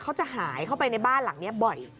เขาจะหายเข้าไปในบ้านหลังนี้บ่อย